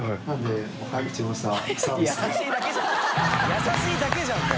優しいだけじゃんもう。